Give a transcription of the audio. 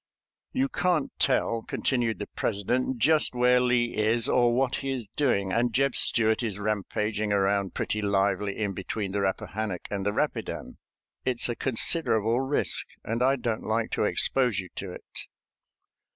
"You can't tell," continued the President, "just where Lee is or what he is doing, and Jeb Stuart is rampaging around pretty lively in between the Rappahannock and the Rapidan. It's a considerable risk, and I don't like to expose you to it."